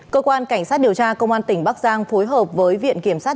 cơ quan cảnh sát điều tra công an tỉnh bắc giang phối hợp với viện kiểm sát